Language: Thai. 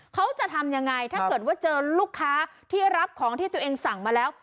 เขาจะทำยังไงถ้าเกิดว่าเจอลูกค้าที่รับของที่ตัวเองสั่งมาแล้ว